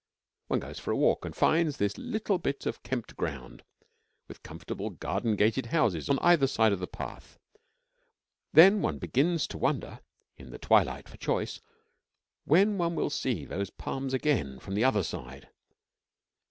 One goes for a walk and finds this little bit of kept ground, with comfortable garden gated houses on either side of the path. Then one begins to wonder in the twilight, for choice when one will see those palms again from the other side.